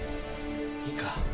いいか？